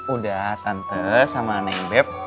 udah tante sama anak yang beb